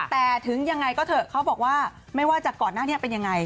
แต่ถึงยังไงก็เถอะเขาบอกว่าไม่ว่าจากก่อนหน้านี้เป็นยังไง